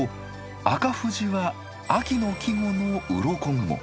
赤富士は秋の季語のうろこ雲。